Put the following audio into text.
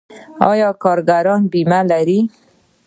آیا کارګران بیمه لري؟